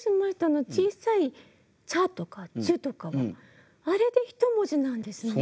小さい「ちゃ」とか「ちゅ」とかはあれで１文字なんですね。